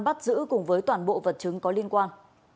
bắt giữ cùng với toàn bộ vật chứng có liên quan